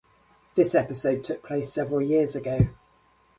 This episode took place several years ago.